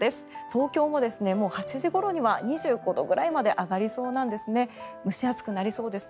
東京も８時ごろには２５度ぐらいまで上がりそうなんです。